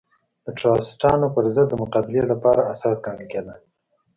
د ټراستانو پر ضد د مقابلې لپاره اساس ګڼل کېده.